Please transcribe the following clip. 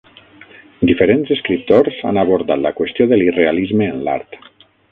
Diferents escriptors han abordat la qüestió de l'irrealisme en l'art.